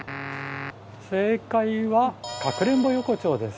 正解は「かくれんぼ横丁」です。